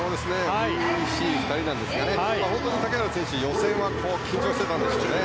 初々しい２人ですが本当に竹原選手予選は緊張してたんでしょうね。